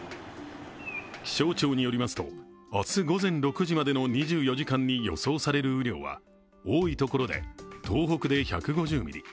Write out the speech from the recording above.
気象庁によりますと、明日午前６時までの２４時間に予想される雨量は多いところで、東北で１５０ミリ